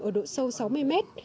ở độ sâu sáu mươi mét